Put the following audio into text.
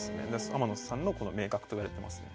天野さんのこの名角といわれてますね。